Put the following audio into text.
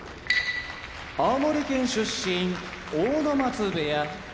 青森県出身阿武松部屋